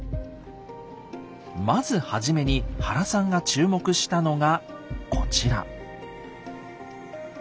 まず初めに原さんが注目したのがこちら。